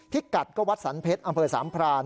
พิกัดก็วัดสรรเพชรอำเภอสามพราน